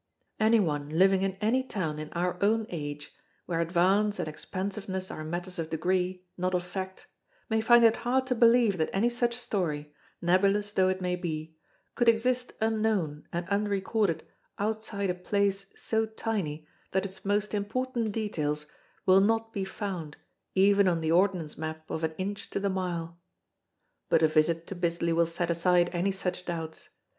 Anyone living in any town in our own age, where advance and expansiveness are matters of degree, not of fact, may find it hard to believe that any such story, nebulous though it may be, could exist unknown and unrecorded outside a place so tiny that its most important details will not be found even on the ordnance map of an inch to the mile. But a visit to Bisley will set aside any such doubts.